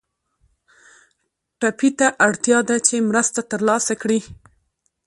ټپي ته اړتیا ده چې مرسته تر لاسه کړي.